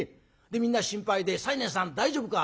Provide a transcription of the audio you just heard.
でみんな心配で『西念さん大丈夫か？